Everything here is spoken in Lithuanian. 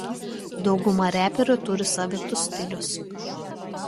Dauguma reperių turi savitus stilius.